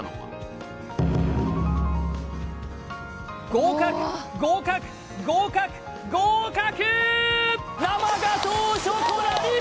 合格合格合格合格！